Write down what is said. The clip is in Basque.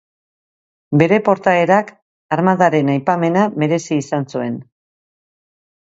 Bere portaerak armadaren aipamena merezi izan zuen.